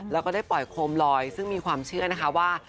แล้วก็ได้ปล่อยโคมลอยซึ่งมีความเชื่อนะคะว่า